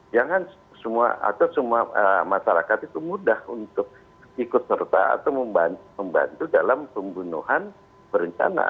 jangan semua atau semua masyarakat itu mudah untuk ikut serta atau membantu dalam pembunuhan berencana